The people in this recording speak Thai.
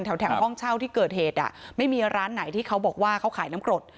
แถวห้องเช่าที่เกิดเหตุอ่ะไม่มีร้านไหนที่เขาบอกว่าเขาขายน้ำกรด